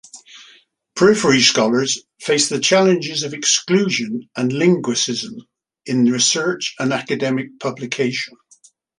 Periphery scholars face the challenges of exclusion and linguicism in research and academic publication.